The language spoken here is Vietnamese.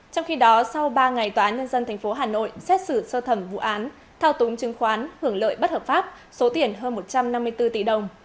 trong khi đó sau ba ngày tnth hà nội xét xử sơ thẩm vụ án thao túng chứng khoán hưởng lợi bất hợp pháp số tiền hơn một trăm năm mươi bốn tỷ đồng